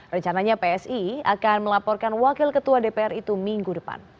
rencananya psi akan melaporkan wakil ketua dpr itu minggu depan